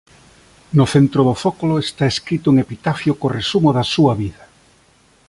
No centro do zócolo está escrito un epitafio co resumo da súa vida.